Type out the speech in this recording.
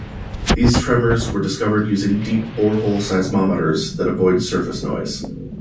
These tremors were discovered using deep borehole seismometers that avoid surface noise.